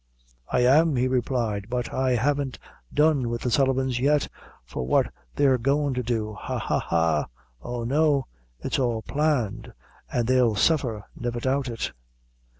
"I am!" he replied; "but I haven't done wid the Sullivans yet, for what they're goin' to do ha, ha, ha! oh, no. It's all planned; an' they'll suffer, never doubt it."